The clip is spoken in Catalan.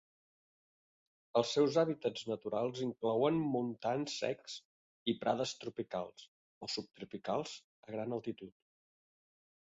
Els seus hàbitats naturals inclouen montans secs i prades tropicals o subtropicals a gran altitud.